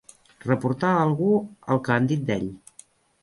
Reportar a algú el que han dit d'ell.